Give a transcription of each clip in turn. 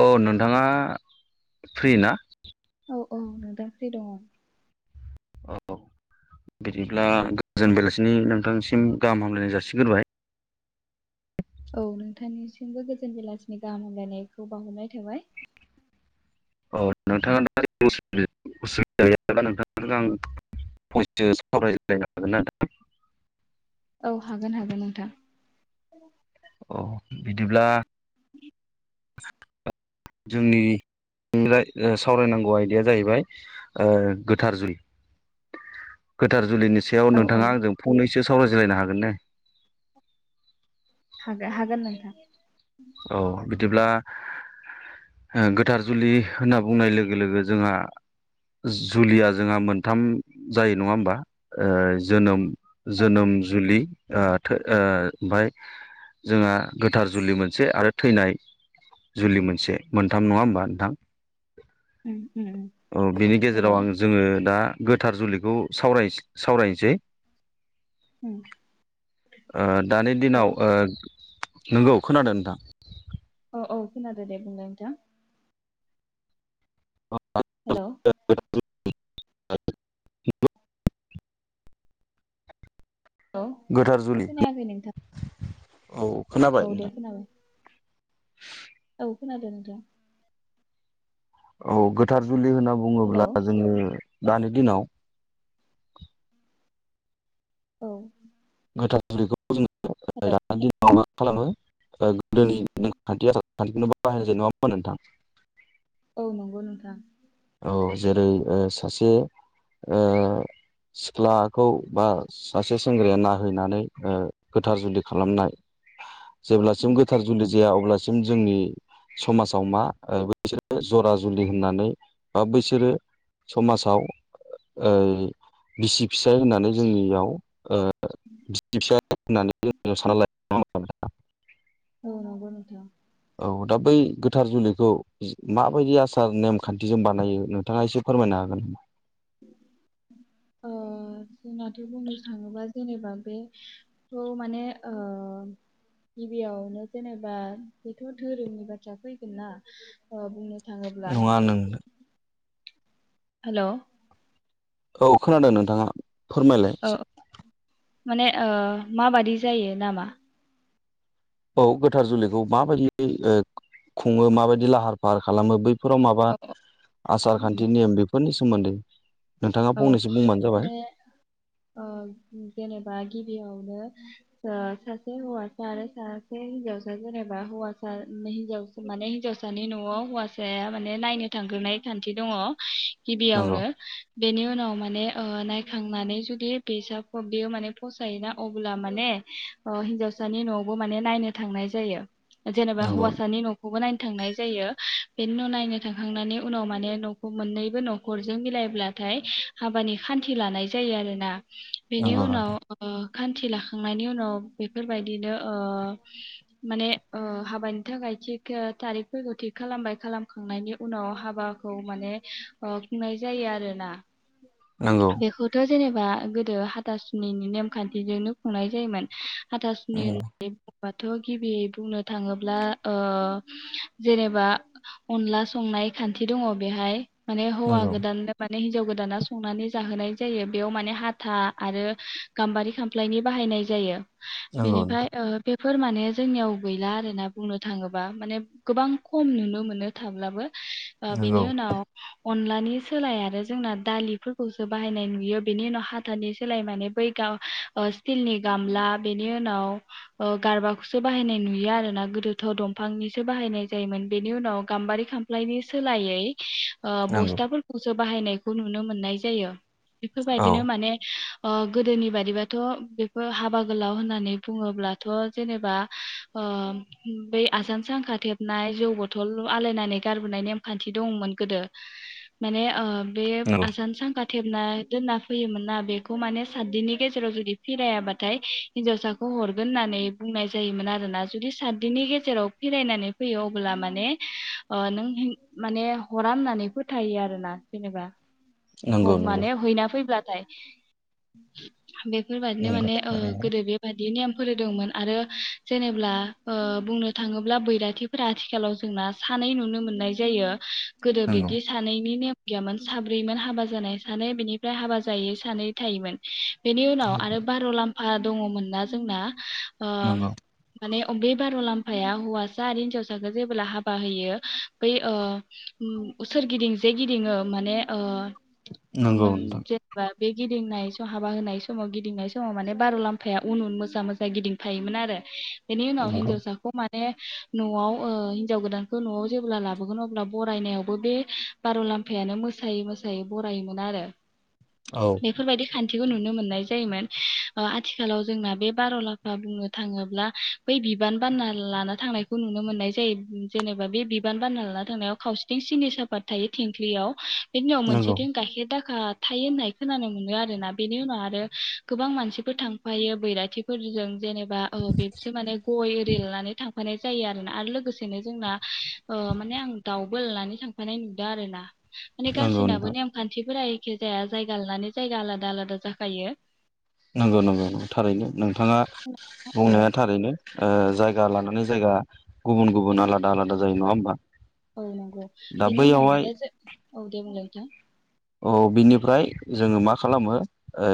औ औ नोंथाङा फ्रि ना? औ औ नोंथां फ्रि दङ। औ बिदिब्ला गोजोन बेलासिनि नोंथांसिम गाहाम हामलायनाय जासिगोरबाय। औ नोंथांनिसिमबो गोजोन बेलासिनि गाहाम हामलायनायखौ बावाहरनाय थाबाय। औ नोंथाङा दा [inaudible] फंनैसो सावरायलायनो हागोनना नोंथां? औ हागोन हागोन नोंथां। औ बिदिब्ला जोंनि [unintelligible] ओ सावरायनांगौ आयदाया जाहैबाय ओ गोथार जुलि गोथार जुलिनि सायाव औ औ नोंथाङा आंजों फंनैसो सावरायज्लायनो हागोन ने? हागो हागोन नोंथां। औ बिदिब्ला ओ गोथार जुलि होनना बुंनाय लोगो लोगो जोंहा जुलिया जोंहा मोनथाम जायो नङा होमबा ओ जोनोम औ जोनोम जुलि ओ थो ओ ओमफाय जोंहा गोथार जुलि मोन मोनसे आरो थैनाय जुलि मोनसे मोनथाम नङा होमबा नोंथां? उम। उम उम औ बिनि हेलौ गेजेराव आं जोङो दा गोथार जुलिखौ सावराय सावरायनोसै। उम ओ दानि हेलौ दिनाव ओ नंगौ खोनादों नोंथां। औ औ खोनादो दे बुंलाय नोंथां। हेल'। [unintelligible] हेल' गोथार जुलि खोनायाखै नोंथां। औ। खोनाबाय औ दे नोंथां खोनाबाय। खोनादो नोंथां। औ गोथार जुलि होनना हेलौ बुङोब्ला जोङो दानि दिनाव औ। गोथार हेलौ जुलिखौ [unintelligible] खालामो ओ गोदोनि नेखान्थि आसारखान्थिखौ बाहायनाय जायो नङामोन नोंथां? औ नंगौ नोंथां। औ जेरै ओ सासे ओ सिख्लाखौ बा सासे सेंग्राया नाहैनानै ओ गोथार जुलि खालामनाय। जेब्लासिम उम गोथार जुलि नंगौ। जाया अब्लासिम जोंनि समाजाव मा बिसोरो जरा जुलि होननानै बा बैसोरो समाजाव ओ बिसि फिसाय होननानै जोंनियाव ओ बिसि फिसाय होननानै जों साननाला [unintelligible] औ नंगौ नोंथां। औ दा बै गोथार जुलिखौ माबायदि आसार नेमखान्थिजों बानायो नोंथाङा एसे फोरमायनो हागोन। ओ-जोंनाथ बुंनो थाङोबा जेनेबा बेखौ माने ओ-गिबियावनो जेनेबा बेथ धोरोमनि बाथ्रा फैगोन ना ओ बुंनो। थाङोब्ला नङा नोंनो हेल औ खोनादों नोंथाङा? फोरमायलाय एसे माने ओ माबादि जायो नामा? औ गोथार जुलिखौ माबायदियै खुङो माबायदि लाहार फाहार खालामो बै। फोराव माबा औ आसार खान्थि नेम बेफोर फोरनि सोमोन्दै नोंथाङा औ फंनैसो बुंबानो जाबाय माने ओ-जेनेबा गिबियाव। नो सासे हौवासा आरो सासे हिन्जावसा जेनेबा हवसा हिजाव माने हिन्जावसानि नआव हौवासाया माने नायनो थांग्रोनाय खान्थि दङ। नंगौ गिबियावनो बेनि उनाव माने नायखांनानै जुदि फैसा बेयो माने फसायोना अब्ला माने हिन्जावसानि नआवबो माने नायनो थांनाय जायो। जेनेबा नंगौ हौवासानि नखौबो नायनो थांनाय जायो। बेनि उन नायनो थांखांनानै उनाव माने नखौ मोननैबो नखरजों मिलायब्ला। थाय हाबानि खान्थि लानाय जायो आरोना। बेनि नंगौ नोंथां उनाव ओ- खान्थि लाखांनायनि उनाव बेफोरबायदिनो-ओ माने ओ-हाबानि थाखाय थिग थारिखफोरखौ थिख खालामबाय खालामखांनायनि उनाव हाबाखौ माने खुंनाय जायो आरो। ना नंगौ बेखौथ जेनेबा गोदो हाथासुनिनि नेमखान्थिजोंनो खुंनाय जायोमोन। हाथासनि होना नै बुं-ओ बाथ गिबियै बुंनो थाङोब्ला ओ-जेनेबा अनला संनाय खान्थि दङ बेहाय। माने हौवा नंगौ गोदाननो मे हिनजाव गोदाना संनानै जाहोनाय जायो बेयाव माने हाथा आरो गाम्बारि खामफ्लायनि बाहायनाय जायो। नंगौ बेनिफाय नोंथां ओ-बे फोर माने जोंनियाव गैला आरोना बुंनो थाङोब्ला माने गोबां खम नुनो मोनो थाब्लाबो। आ बेनि नंगौ उनाव अनलानि सोलाया आरो जोंना दालिफोरखौसो बाहायनाय नुयो बेनि उनाव हाथनि सोलाय माने बै गाव ओ-स्टिलनि गामला बेनि उनाव गारबाखौसो बाहायनाय नुयो आरोना गोदोथ दंफांनिसो बाहायनाय जायोमोन बेनि उनाव गाम्बारि खामफ्लायनि सोलायै- ओ नंगौ बस्थाफोरखौसो बा बाहायनायखौ नुनो मोननाय जायो। औ बेफोरबायदिनो माने ओ-गोदोनि बादिबाथ बेफोर हाबा गोलाव होननानै बुङोब्लाथ जेनेबा ओ-बै आसानसांखा थेबनाय जौ बथल आलायनानै गारबोनाय नेमखान्थि दंमोन गोदो माने। ओ बे नंगौ आजानसांखा थेबना दोनना फैयोमोन ना बेखौ माने सातदिननि गेजेराव जुदि फिरायाबाथाय हिन्जावसाखौ हरगोन होननानै बुंनाय जायोमोन आरोना जुदि सातदिननि गेजेराव फिरायनानै फैयो अब्ला माने नों माने हरा होननानै फोथायो आर ना बिेनेबा नंगौ नंगौ माने हैना फैब्ला [unintelligible] बेफोरबादिनो नंगौ माने थारैनो गोदो बेबायाद [unintelligible] नेम फोरोदोंमोन आरो जेनेब्ला ओ बुंनो थाङोब्ला बैराथिफोरा आथिखालाव जोंना सानै नुनो मोननाय जायो गोदो नंगौ बिदि सानैनि ने गैयामोन साब्रैमोन हाबा [unintelligible] जानाय सानै बिनिफ्राय हाबा जायै सानै थायोमोन बेनि उनाव आरो बार' लाम [unintelligible] ओ दङमोनना जोंना अ नंगौ माने बे बार' लाम्फाया हौवासा आरो हिन्जावसाखौ जेबोब्ला हाबा होयो बै सोरगिदिं जे गिदिङो माने नंगौ मोन नोंथां [unintelligible] बे गिदिंनाय सम हाबा होनाय समाव गिदिंनाय समाव माने बार' लाम्फाया उन उन मोजां मोजां गिदिंफायोमोन आरो बेनि उनाव नंगौ हिन्जाव साखौ [unintelligible] न'आव ओ हिनजाव गोदानखौ न'आव जेब्ला लाबोगोन अब्ला बरायनायावबो बे बार' लाम्फायानो मोसायै मोसायै बरायोमोन आरो औ बेफोरबायदि खान्थि [unintelligible] नुनो मोननाय जायोमोन आथिखालाव जोंना बे बार' लाफा बुंनो थाङोब्ला बै बिबान बाना लाना थांनायखौ नुनो मोननाय जायो जेनेबा बे बिबान बाना लाना थांनायाव खावसेथिं सिनि साफात थायो थिंख्लियाव [unintelligible] मोनसे नंगौ गाइखेर दाखा थायो होननाय खोनानो मोनो आरोोना बेनि उनाव आरो गोबां मानसिफोर थांफायो बैराथिफोरजों जेनेबा [unintelligible] बेसो माने गय एरि लानानै थां थांफानाय जायो आरोना आरो लोगोसेनो ओ जोंना माने आं दाउबो लानानै थांफानाय नुदों आरो ना माने नंगौ गसिनाबो नोंथां [unintelligible] सिफोरा एखे जाया जायगा लानानै जायगा आलादा आलादा जाखायो नंगौ नंगौ थारैनो नोंथाङा औ बुंनाया थारैनो ओ जायगा लानानै जायगा गुबुन गुबुन आलादा आलादा जायो नङा होमबा औ नंगौ दा बिनि उनाव बैयावहाय माने [unintelligible] औ दे बुं [unintelligible] औ बिनिफ्राय जोङो मा खालामो ओ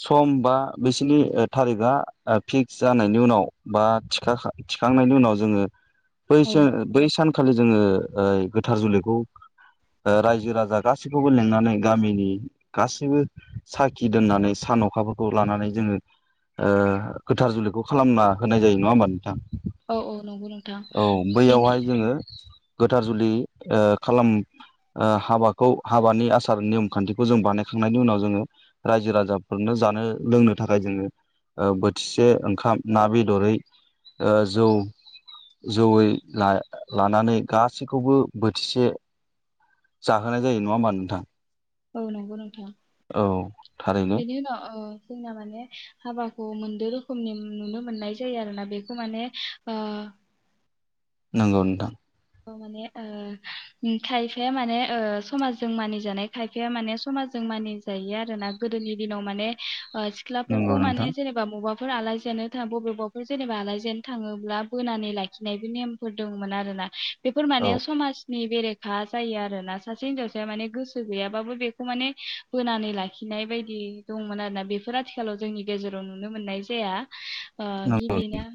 सम बा बिसिनि थारिकआ फिक्स जानायनि उनाव बा थिखा थिखांनायनि उनाव जोङो [unintelligible] बै सान खालि जोङो ओ गोथार जुलिखौ रायजो राजा [unintelligible] गासैखौबो लेंनानै गामिनि गासैबो साखि दोननानै सान अखाफोरखौ लानानै जोङो ओ गोथार जुलिखौ खालामना होनाय जायो नङा होमबा नोंथां औ औ नंगौ नोंथां औ बे बैयावहाय जोङो गोथार जुलि ओ खालाम ओ हाबा खौ हाबानि आसार नियम खान्थिखौ जों बानायखांनायनि उनाव जोङो रायजो राजाफोरनो जानो लोंनो थाखाय जोङो ओ बोथिसे ओंखाम ना बेदरै ओ जौ जौयै ला लानानै गासैखौबो बोथिसे जा थाखानाय जायो नङा होमबा नोंथां औ नंगौ नोंथां औ थारैनो बेनि उनाव ओ जोंना माने हाबाखौ मोनद रोखोमनि नुनो मोननाय जायो आरोना बेखौ माने ओ नंगौ नोंथां माने खायफाया माने समाजजों मानि जानाय खायफाया माने समाजजों मानिजायो आरो ना गोदोनि दिनाव माने सिख्लाफोरखौ नंगौ नोंथां माने जेनेबा बबा बेफोर आलासि जानो थाङ बबेबाफोर जेनेबा आलासि जानो थाङोब्ला बोनानै लाखिनायबो नेमफोर दंमोन आरोना बेफोर माने औ समाजनि बेरेखा जायो आरोना सासे हिनजावसाया माने गोसो गैयाबाबो बेखौ माने बोनानै लाखिनाय बायदि दंमोन आरोना बेफोर आथिखालाव जोंनि गेजेराव नुनो मोननाय जाया आ नंगौ गिबि [unintelligible]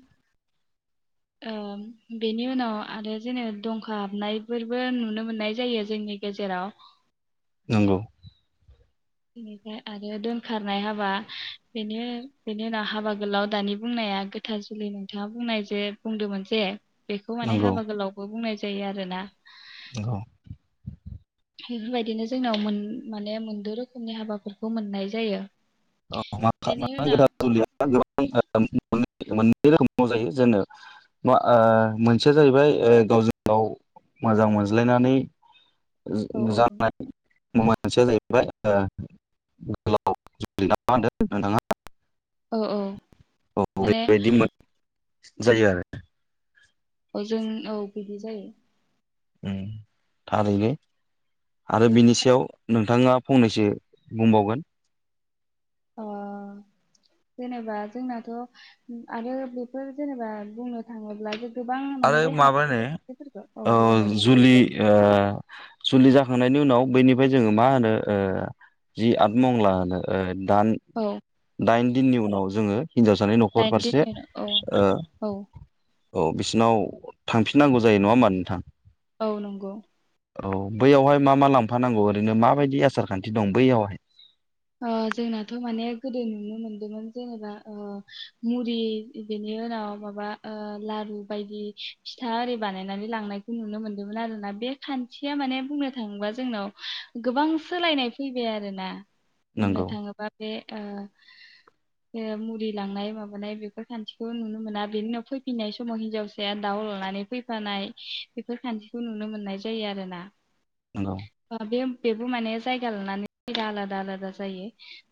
ओ बेनि उनाव आरो जेनो दंखा हाबनायफोरबो नुनो मोननाय जायो जोंनि गेजेराव नंगौ बेनिफ्राय आरो दोनखारनाय हाबा बेनो बेनि उनाव हाबा गोलाव दानि बुंनाया गोथार जुलि नोंथाङा बुंनाय जे बुंदोंमोन जे बेखौ माने नंगौ हाबा गोलावबो बुंनाय जायो आरोना औ बेफोरबायदिनो जोंनाव माने मोनद रोखोमनि हाबाफोरखौ मोननाय जायो [unintelligible] बेनि उनाव मोननै रोखोमाव जायो जोनो मोनसेया जाहैबाय गावजों गाव मोजां मोनज्लायनानै औ औ जानाय मा मोनसेया जाहैबाय गो [unintelligible] औ औ औ माने बेबायदि जायो आरो औ जों औ बिदि जायो ओम थारैनो आरो बेनि- बिनि सायाव नोंथाङा फंनैसो बुंबावगोन जेनेबा जोंनाथ' आरो बेफोर जेनेबा बुंनो थाङोब्ला गोबां माने आरो बे माबानो हाबाफोरखौ औ ओ दे बुंलाय जुलि ओ जुलि जाखांनायनि उनाव बैनिफ्राय जोङो मा होनो जि आतमंला होनो दान औ दाइन दिननि उनाव जोङो हिनजाव सानि न'खर दाइन फारसे दिननि औ ओ औ औ बिसि नाव थांफिननांगौ जायो नङा होमबा नोंथां। औ नंगौ। औ बैयावहाय मा मा लांफानांगौ ओरैनो माबायदि आसार खान्थि दं बैयावहाय ओ जोंनाथ' माने गोदो नुनो मोनदोंमोन जेनेबा ओ मुरि बेनि उनाव माबा ओ लारु बायदि फिथा ओरि बानायनानै लांनायखौ नुनो मोनदोंमोन आरोना बे खान्थिया माने बुंनो थाङोबा जोंनाव गोबां सोलायनाय फैबाय आरोना। बुंनो नंगौ थाङोबा बे ओ मुरि लांनाय माबानाय बेफोर खान्थिखौ नुनो मोना बेनि उनाव फैफिननाय समाव हिनजावसाया दाउ लानानै फैफानाय बेफोर खान्थिखौ नुनो मोननाय जायो आरोना। नंगौ अ बे बेबो माने जायगा लानानै आलादा आलादास जायो।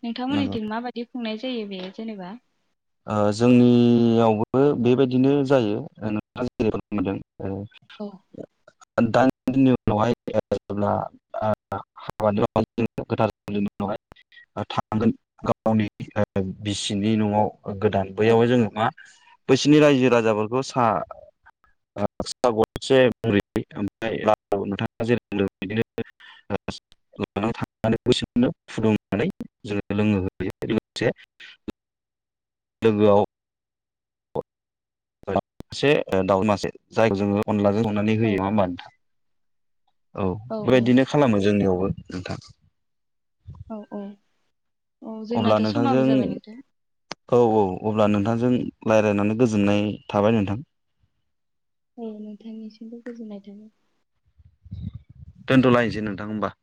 नोंथांमोननि नंगौ थिं माबाद बिदि खुंनाय जायो बेयो जेनेबा? ओह जोंनियावबो बेबायदिनो जायो नोंथाङा जेरै बुंदों। औ। औ दाइन दिननि उनावहाय जेब्ला ओ हाबानि उनाव गोथार जुलिनि उनावहाय ओ थांगोन गावनि बिसिनि नआव गोदान औ बैयावहाय जोङो मा बैसोरनि रायजो राजाफोरखौ सा गरदसे मुरि ओमफ्राय नोंथाङा जेरै बुंदों बिदिनो लानानै बिसोरनो फुदुंनानै जोङो लोंहोयो लोगोसे लोगोआव मासे दाउ मासे जायखौ जोङो अनलाजों माने औ होयो नङा होम्बा नोंथां औ बेबादिनो खालामो जोंनियावबो। नोंथां। औ औ। औ अब्ला जोंनाथ' समाबो नोंथांजों जाबाय नोंथां औ औ। अब्ला नोंथांजों रायज्लायनानै गोजोननाय थाबाय नोंथां। औ नोंथांनिसिमबो गोजोननाय थाबाय। दोनथ'लायनोसै नोंथां होमबा